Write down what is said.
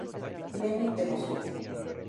I. Lenin de Moscú.